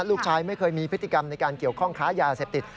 ลูกชายไม่เคยมีพฤติกรรมในการเกี่ยวข้องค้ายาเสพติด